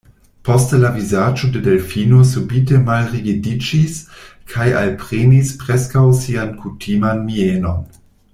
Poste la vizaĝo de Delfino subite malrigidiĝis kaj alprenis preskaŭ sian kutiman mienon.